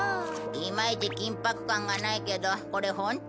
いまいち緊迫感がないけどこれ本当？